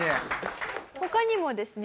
他にもですね